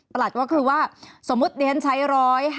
ปรับก็คือว่าสมมุติเดี๋ยวท่านใช้ร้อย